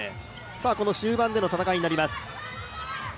終盤での戦いになります。